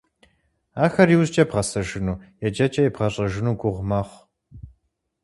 Ахэр иужькӀэ бгъэсэжыну, еджэкӀэ ебгъэщӀэжыну гугъу мэхъу.